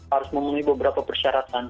harus memenuhi beberapa persyaratan